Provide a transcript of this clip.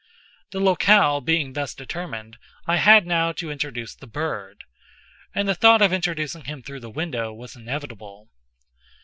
The locale being thus determined, I had now to introduce the bird—and the thought of introducing him through the window, was inevitable.